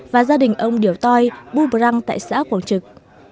và gia đình ông điều toi buc bram tại xã quảng trực